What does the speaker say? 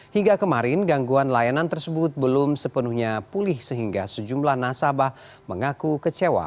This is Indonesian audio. hingga kemarin gangguan layanan tersebut belum sepenuhnya pulih sehingga sejumlah nasabah mengaku kecewa